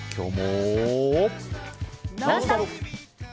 「ノンストップ！」。